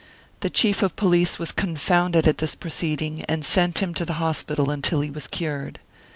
*.... The Chief of Police was confounded at this proceeding and M nt him to the hospital until he was cured.